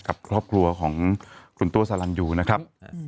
กับครอบครัวของคุณตัวสลันยูนะครับ